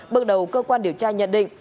bước đầu cơ quan điều tra nhận định